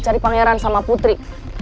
di pangeran sama putri